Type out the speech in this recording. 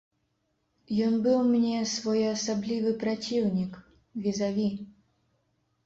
Ён быў мне своеасаблівы праціўнік, візаві.